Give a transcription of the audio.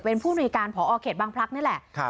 เป็นผู้นุยการผอเขตบางพลักษณ์นั่นแหละ